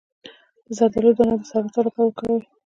د زردالو دانه د سرطان لپاره وکاروئ